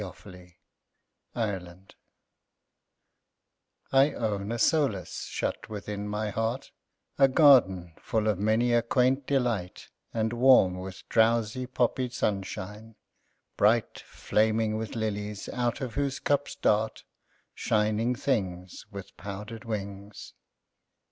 Behind a Wall I own a solace shut within my heart, A garden full of many a quaint delight And warm with drowsy, poppied sunshine; bright, Flaming with lilies out of whose cups dart Shining things With powdered wings.